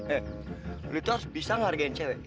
eh lu tuh harus bisa ngargain cewek